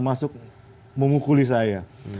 masuk memukuli saya